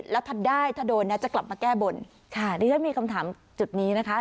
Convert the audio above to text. แล้วถ้าได้ถ้าโดนนะจะกลับมาแก้บนค่ะดิฉันมีคำถามจุดนี้นะคะ